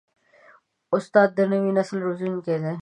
استاد د نوي نسل روزونکی دی.